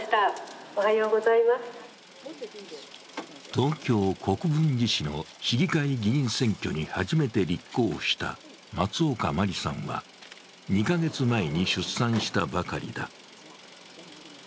東京・国分寺市の市議会選挙に初めて立候補した松岡真里さんは２か月前に出産したばかりだ。